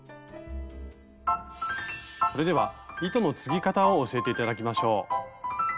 それでは糸の継ぎ方を教えて頂きましょう。